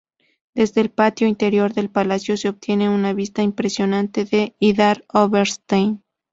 Desde el patio interior del palacio se obtienen unas vistas impresionantes de Idar-Oberstein.